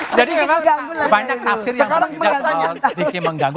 jadi memang banyak nafsir yang menghijau soal sedikit mengganggu